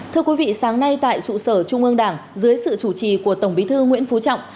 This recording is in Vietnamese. thưa quý vị sáng nay tại trụ sở trung ương đảng dưới sự chủ trì của tổng bí thư nguyễn phú trọng